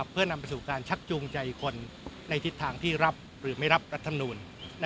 เพื่อนำไปสู่การชักจูงใจคนในทิศทางที่รับหรือไม่รับรัฐมนูล